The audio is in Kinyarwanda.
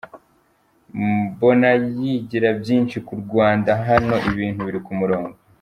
Mbona yigira byinshi ku Rwanda , hano ibintu biri ku murongo.